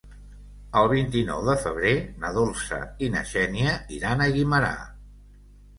El vint-i-nou de febrer na Dolça i na Xènia iran a Guimerà.